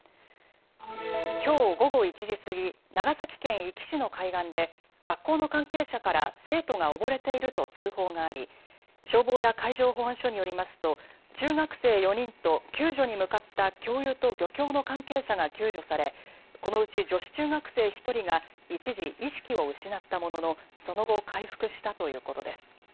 きょう午後１時過ぎ長崎県壱岐市の海岸で学校の関係者から生徒が溺れていると通報があり消防や海上保安署によりますと中学生４人と救助に向かった教諭と漁協の関係者が救助され、このうち女子中学生１人が一時、意識を失ったもののその後、回復したということです。